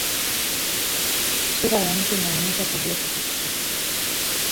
Sura ya nchi inaonyesha tabia tofautitofauti.